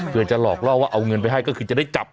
เพื่อจะหลอกล่อว่าเอาเงินไปให้ก็คือจะได้จับ